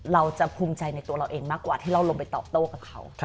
เราจะภูมิใจในตัวเราเองมากกว่าที่เราลงไปตอบโต้กับเขา